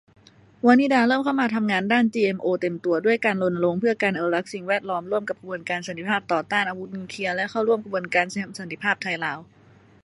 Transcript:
วนิดาเริ่มเข้ามาทำงานด้านเอ็นจีโอเต็มตัว ด้วยการรณรงค์เพื่อการอนุรักษ์สิ่งแวดล้อมร่วมกับขบวนการสันติภาพต่อต้าน อาวุธนิวเคลียร์ และเข้าร่วมขบวนการเชื่อมสันติภาพไทยลาว